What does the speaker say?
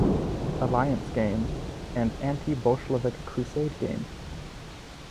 Alliance Game, and Anti-Bolshevik Crusade Game.